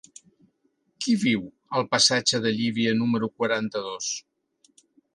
Qui viu al passatge de Llívia número quaranta-dos?